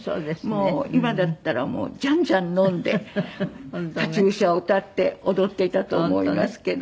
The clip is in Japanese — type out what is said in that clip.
もう今だったらジャンジャン飲んで『カチューシャ』を歌って踊っていたと思いますけど。